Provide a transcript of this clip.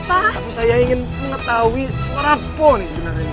tapi saya ingin mengetahui suara apa ini